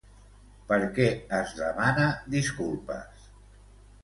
Per què es demana disculpes?